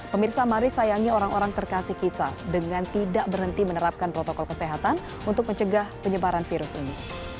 pemirsa mari sayangi orang orang terkasih kita dengan tidak berhenti menerapkan protokol kesehatan untuk mencegah penyebaran virus ini